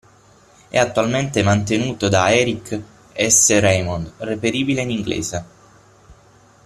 È attualmente mantenuto da Eric S. Raymond, reperibile in inglese.